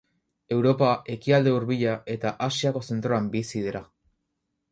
Europa, Ekialde Hurbila eta Asiako zentroan bizi dira.